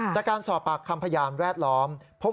จากการสอบปากคำพยายามแวดล้อมพบว่า